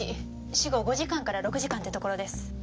死後５時間から６時間ってところです。